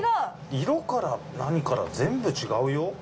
色から何から全部違うよ！